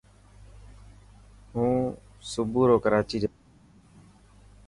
هون صبورو ڪراچي جائين.